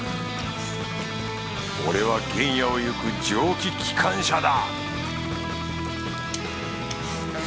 俺は原野を行く蒸気機関車だ！